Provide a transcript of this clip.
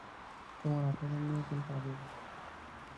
তোমার আচরণ নিয়ে কিন্তু আগেও বলেছি।